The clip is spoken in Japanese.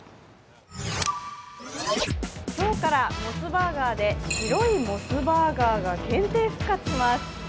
今日からモスバーガーで白いモスバーガーが限定復活します。